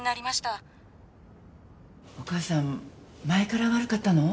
お母さん前から悪かったの？